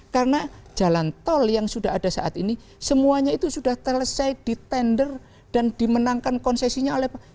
karena jalan tol yang sudah ada saat ini semuanya itu sudah selesai ditender dan dimenangkan konsesinya oleh pak jogi